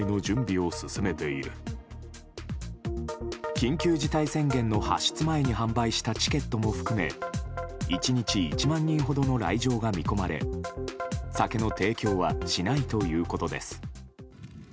緊急事態宣言の発出前に販売したチケットも含め１日１万人ほどの来場が見込まれ酒の提供はしないということです。